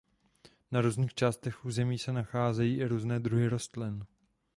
Na různých částech území se nacházejí i různé druhy rostlin.